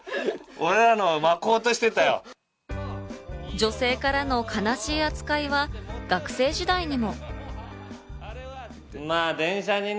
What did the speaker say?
女性からの悲しい扱いは学生時代にも。